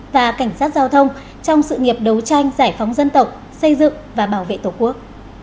và cảnh sát giao thông trong sự nghiệp đấu tranh giải phóng dân tộc xây dựng và bảo vệ tổ quốc